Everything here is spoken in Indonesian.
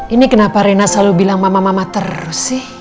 ini kenapa rena selalu bilang mama mama terus sih